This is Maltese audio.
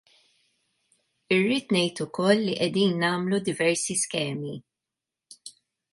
Irrid ngħid ukoll li qegħdin nagħmlu diversi skemi.